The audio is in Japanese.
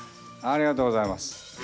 ありがとうございます。